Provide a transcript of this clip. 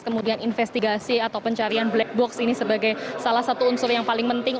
kemudian investigasi atau pencarian black box ini sebagai salah satu unsur yang paling penting